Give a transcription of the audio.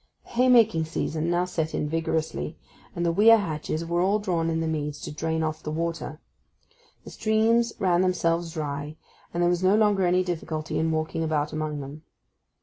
The haymaking season now set in vigorously, and the weir hatches were all drawn in the meads to drain off the water. The streams ran themselves dry, and there was no longer any difficulty in walking about among them.